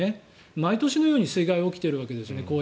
毎年のようにこうやって水害が起きているわけです。